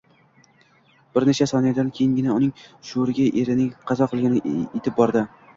Bir necha soniyadan keyingina uning shuuriga erining qazo qilgani etib bordi